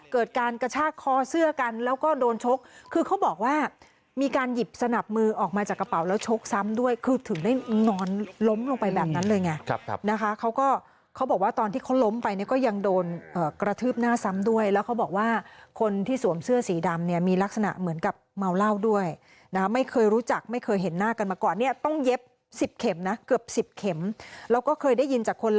เกิดการกระชากคอเสื้อกันแล้วก็โดนชกคือเขาบอกว่ามีการหยิบสนับมือออกมาจากกระเป๋าแล้วชกซ้ำด้วยคือถึงได้หงอนล้มลงไปแบบนั้นเลยไงครับนะคะเขาก็เขาบอกว่าตอนที่เขาล้มไปเนี่ยก็ยังโดนกระทืบหน้าซ้ำด้วยแล้วเขาบอกว่าคนที่สวมเสื้อสีดำเนี่ยมีลักษณะเหมือนกับเมาเหล้าด้วยนะไม่เคย